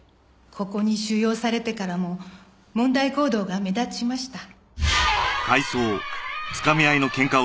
ここに収容されてからも問題行動が目立ちました。